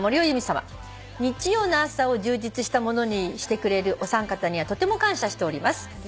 日曜の朝を充実したものにしてくれるお三方にはとても感謝しております」